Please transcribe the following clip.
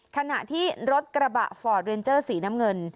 ขณะที่รถกระบะฟอร์ดเรนเจอร์สีน้ำเงิน